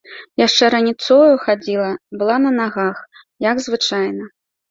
Яшчэ раніцою хадзіла, была на нагах, як звычайна.